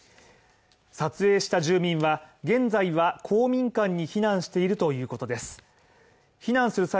撮影した住民は、現在は公民館に避難しているということです。